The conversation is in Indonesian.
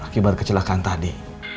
akibat kecelakaan tadi